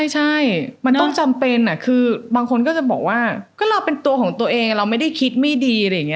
ใช่มันต้องจำเป็นคือบางคนก็จะบอกว่าก็เราเป็นตัวของตัวเองเราไม่ได้คิดไม่ดีอะไรอย่างนี้